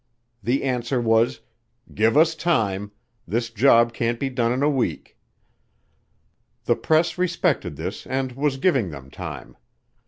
The answer was, "Give us time. This job can't be done in a week." The press respected this and was giving them time.